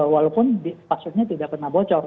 walaupun data dasarnya tidak pernah bocor